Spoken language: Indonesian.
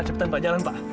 cepat pak jalan pak